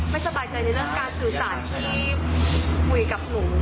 สบายใจในเรื่องการสื่อสารที่คุยกับหนู